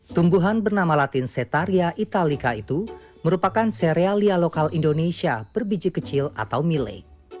tumbuhan bernama latin setaria italika itu merupakan serealia lokal indonesia berbiji kecil atau mile